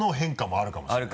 あるかもしれない。